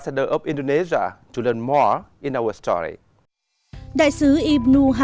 chúng tôi cũng rất hạnh phúc